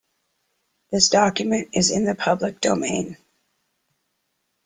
This document is in the public domain.